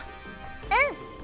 うん！